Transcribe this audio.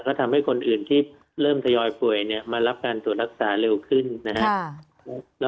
ก็ทำให้คนอื่นที่เริ่มทยอยป่วยเนี่ยมารับการตรวจรักษาเร็วขึ้นนะครับ